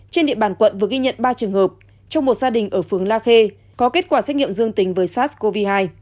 trên địa bàn quận vừa ghi nhận ba trường hợp trong một gia đình ở phường la khê có kết quả xét nghiệm dương tính với sars cov hai